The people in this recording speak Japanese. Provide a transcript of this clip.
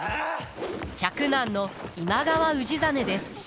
嫡男の今川氏真です。